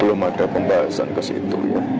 belum ada pembahasan ke situ ya